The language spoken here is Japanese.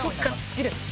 好きです。